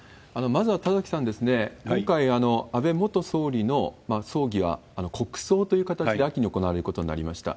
まずは田崎さん、今回、安倍元総理の葬儀は国葬という形で秋に行われることになりました。